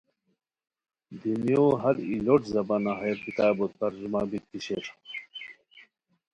دنیو ہر ای لوٹ زبانہ ہیہ کتابو ترجمہ بیتی شیر